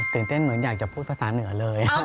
เตื่นเต้นเหมือนอยากจะพูดภาษาเหนือกว่าเลย